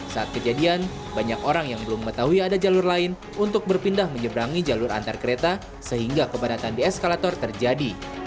saat kejadian banyak orang yang belum mengetahui ada jalur lain untuk berpindah menyeberangi jalur antar kereta sehingga keberatan di eskalator terjadi